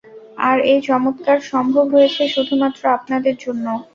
আর এই চমৎকার সম্ভব হয়েছে, শুধুমাত্র আপনাদের জন্য।